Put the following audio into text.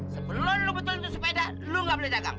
sebelum lo betulin itu sepeda lo enggak boleh dagang